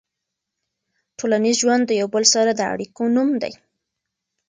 ټولنیز ژوند د یو بل سره د اړیکو نوم دی.